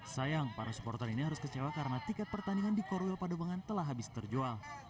sayang para supporter ini harus kecewa karena tiket pertandingan di korwil padebangan telah habis terjual